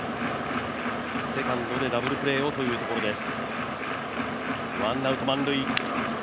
セカンドでダブルプレーをというところです。